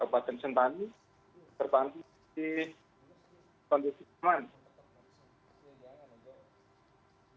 dan pak tensyen pani terpantau di kondusif keamanan